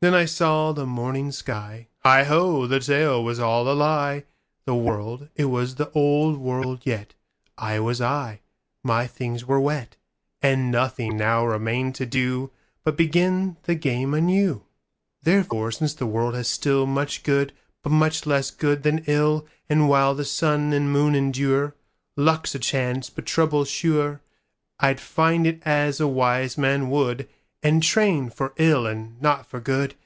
Then I saw the morning sky:Heigho, the tale was all a lie; The world, it was the old world yet,I was I, my things were wet, And nothing now remained to doBut begin the game anew. Therefore, since the world has stillMuch good, but much less good than ill, And while the sun and moon endureLuck's a chance, but trouble's sure, I'd face it as a wise man would, And train for ill and not for good.